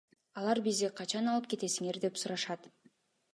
Алар бизди качан алып кетесиңер деп сурашат.